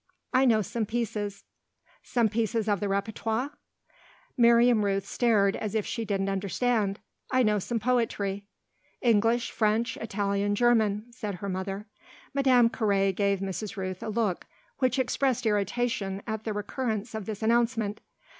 "I know some pieces." "Some pieces of the répertoire?" Miriam Rooth stared as if she didn't understand. "I know some poetry." "English, French, Italian, German," said her mother. Madame Carré gave Mrs. Rooth a look which expressed irritation at the recurrence of this announcement.